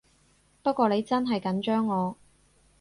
不過你真係緊張我